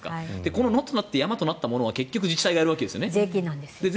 この野となって山となったものは結局自治体がやるわけですよね。